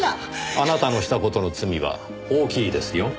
あなたのした事の罪は大きいですよ。